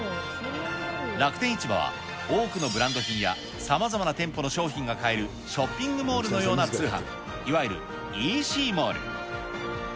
楽天市場は、多くのブランド品や、さまざまな店舗の商品が買えるショッピングモールのような通販、いわゆるＥＣモール。